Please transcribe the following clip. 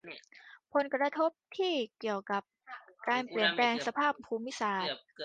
ผลกระทบที่เกี่ยวข้องกับการเปลี่ยนแปลงสภาพภูมิอากาศ